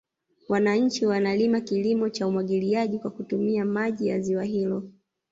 Wananchi wanalima kilimo cha umwagiliaji kwa kutumia maji ya ziwa hilo